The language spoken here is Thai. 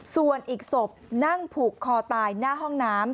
ส่วนอีกศพนั่งผูกคอตายหน้าห้องน้ำ